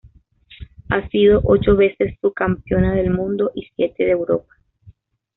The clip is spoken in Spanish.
Ha sido ocho veces subcampeona del mundo y siete de Europa.